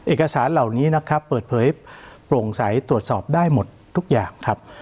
เอกสารเหล่านี้นะครับเปิดเผยโปร่งใสตรวจสอบได้หมดทุกอย่างครับ